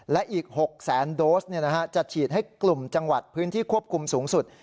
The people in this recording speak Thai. และอีก๖๐๐๐๐๐โดสเนี่ยนะฮะจะฉีดให้กลุ่มจังหวัดพื้นที่ควบคุมสูงสุด